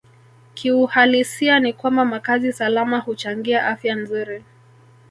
Kiuhalisia ni kwamba makazi salama huchangia afya nzuri